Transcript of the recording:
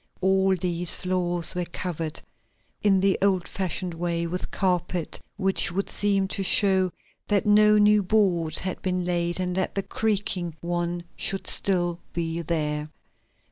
All these floors were covered in the old fashioned way with carpet, which would seem to show that no new boards had been laid and that the creaking one should still be here.